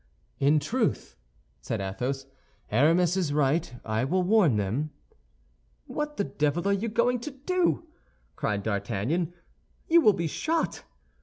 "In truth," said Athos, "Aramis is right. I will warn them." "What the devil are you going to do?" cried D'Artagnan, "you will be shot."